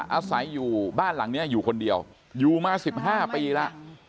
อาศัยอยู่บ้านหลังนี้อยู่คนเดียวอยู่มา๑๕ปีแล้ว